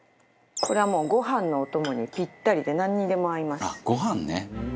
これはもうご飯のお供にピッタリでなんにでも合います。